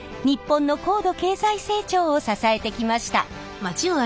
日本の高度経済成長を支えてきました。